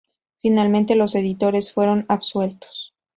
Finalmente los editores fueron absueltos.